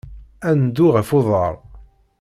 Ad neddu ɣef uḍar.